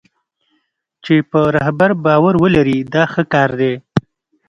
چې په رهبر باور ولري دا ښه کار دی.